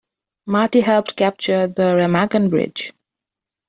Marty helped capture the Remagen Bridge.